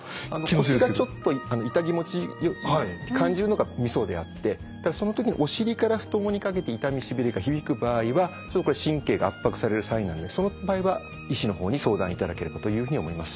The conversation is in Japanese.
腰がちょっとイタ気持ちいいと感じるのがみそであってその時にお尻から太ももにかけて痛みしびれが響く場合は神経が圧迫されるサインなんでその場合は医師の方に相談いただければというふうに思います。